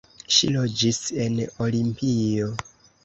Ŝi loĝis en Olimpio.